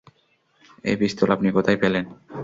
এই পিস্তল আপনি কোথায় পেলেন?